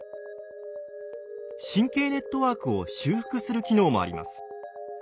神経ネットワークを修復する機能もあります。